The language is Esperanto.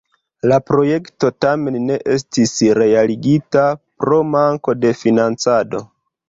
La projekto tamen ne estis realigita pro manko de financado.